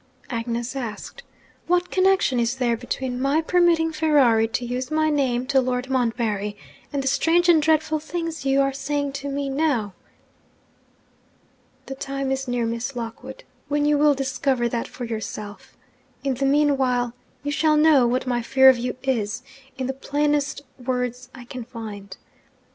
Agnes asked. 'What connection is there between my permitting Ferrari to use my name to Lord Montbarry, and the strange and dreadful things you are saying to me now?' 'The time is near, Miss Lockwood, when you will discover that for yourself. In the mean while, you shall know what my fear of you is, in the plainest words I can find.